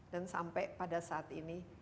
dan sampai pada saat ini